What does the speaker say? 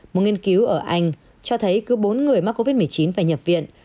một nghiên cứu ở anh cho thấy cứ bốn người mắc covid một mươi chín phải nhập viện